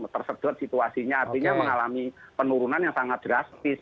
tersedot situasinya artinya mengalami penurunan yang sangat drastis